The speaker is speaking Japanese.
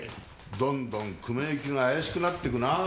どんどん雲行きが怪しくなっていくなぁ。